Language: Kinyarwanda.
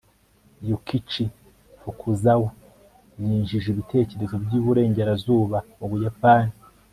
yukichi fukuzawa yinjije ibitekerezo by'iburengerazuba mu buyapani